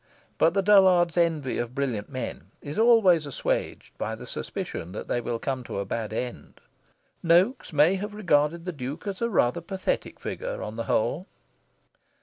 But the dullard's envy of brilliant men is always assuaged by the suspicion that they will come to a bad end. Noaks may have regarded the Duke as a rather pathetic figure, on the whole.